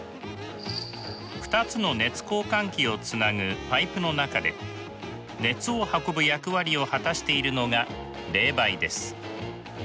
２つの熱交換器をつなぐパイプの中で熱を運ぶ役割を果たしているのが冷媒です。